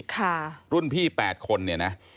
รุ่นพี่๘คนเนี่ยนะ